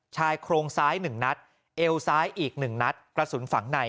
ชายโครงซ้าย๑นัดเอวซ้ายอีก๑นัดกระสุนฝังใน